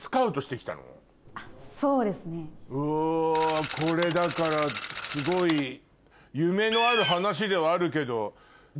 うわこれだからすごい夢のある話ではあるけど。